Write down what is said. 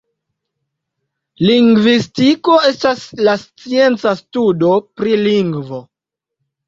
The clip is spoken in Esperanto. Lingvistiko estas la scienca studo pri lingvo.